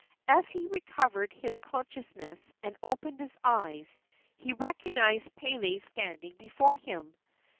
As he recovered his consciousness and opened his eyes he recognized Pele standing before him.